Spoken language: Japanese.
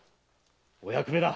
お役目だ。